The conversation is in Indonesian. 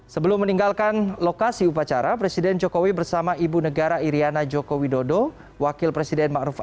sebelum meninggalkan lokasi upacara presiden jokowi bersama ibu negara iryana joko widodo wakil presiden ⁇ maruf ⁇ amin